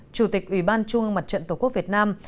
chủ tịch ủy ban trung ương mặt trận tổ quốc việt nam